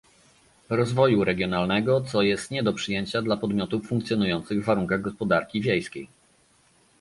Rozwoju Regionalnego, co jest nie do przyjęcia dla podmiotów funkcjonujących w warunkach gospodarki wiejskiej